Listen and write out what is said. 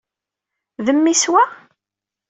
D mmi-s, wa?